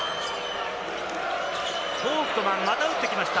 フォウクトマン、また打ってきました。